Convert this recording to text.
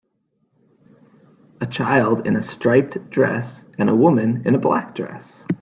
A child in a striped dress and a woman in a black dress.